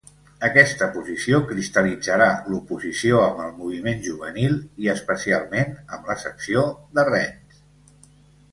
Aquesta posició cristal·litzarà l'oposició amb el moviment juvenil i especialment amb la secció de Rennes.